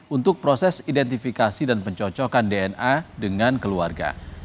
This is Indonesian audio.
untuk proses identifikasi dan pencocokan dna dengan keluarga